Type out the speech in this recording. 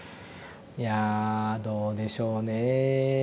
いやぁどうでしょうね。